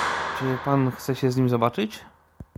"Czy pan chce się z nim zobaczyć?"